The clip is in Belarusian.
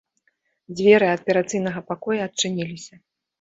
Дзверы аперацыйнага пакоя адчыніліся.